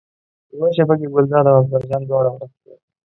یوه شېبه کې ګلداد او اکبر جان دواړه ورک شول.